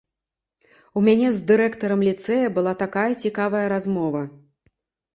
У мяне з дырэктарам ліцэя была такая цікавая размова.